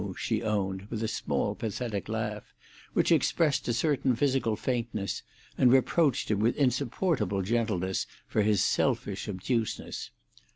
she owned, with a small, pathetic laugh, which expressed a certain physical faintness, and reproached him with insupportable gentleness for his selfish obtuseness.